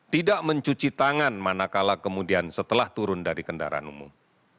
tidak mencuci tangan manakala kemudian setelah turun dari kendaraan umum